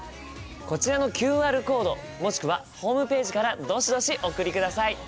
こちらのＱＲコードもしくはホームページからどしどしお送りください！